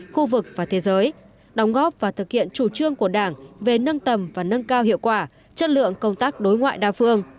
khu vực và thế giới đóng góp và thực hiện chủ trương của đảng về nâng tầm và nâng cao hiệu quả chất lượng công tác đối ngoại đa phương